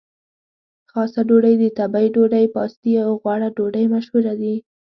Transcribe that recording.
خاصه ډوډۍ، د تبۍ ډوډۍ، پاستي او غوړه ډوډۍ مشهورې دي.